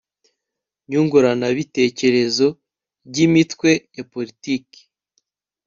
nyunguranabitekerezo ry imitwe ya politiki